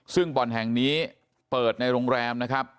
ซึ่งบ่อนแห่งนี้เปิดในโรงแรมนะครับ